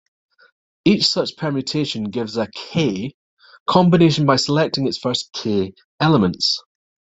Each such permutation gives a "k"-combination by selecting its first "k" elements.